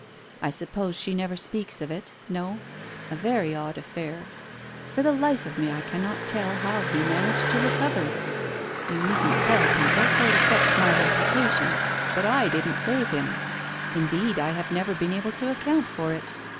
I suppose she never speaks of it? No ? A very odd affair. For the life of me I cannot tell how he managed to recover. You needn't tell people, for it affects my reputation, but I didn't save him ! Indeed I have never been able to account for it.